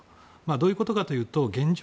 どういうことかというと、現状